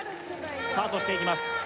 スタートしていきます